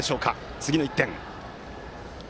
次の１点。